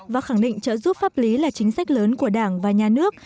và khẳng định trợ giúp pháp lý là chính sách lớn của đảng và nhà nước